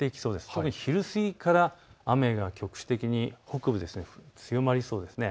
特に昼過ぎから雨が局地的に北部、強まりそうです。